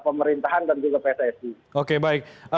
pemerintahan dan juga psis